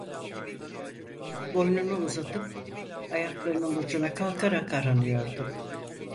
Boynunu uzatıp ayaklarının ucuna kalkarak aranıyordu.